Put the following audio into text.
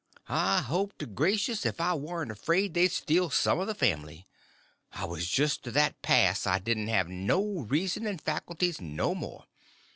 I hope to gracious if I warn't afraid they'd steal some o' the family! I was just to that pass I didn't have no reasoning faculties no more.